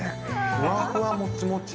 ふわふわもちもち。